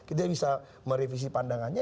itu bisa merevisi pandangannya